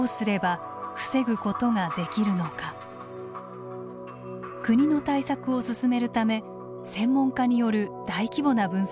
国の対策を進めるため専門家による大規模な分析が始まっています。